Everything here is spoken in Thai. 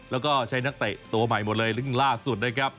แล้วก็ใช้นักเตะตัวใหม่หมดเลยซึ่งล่าสุดนะครับ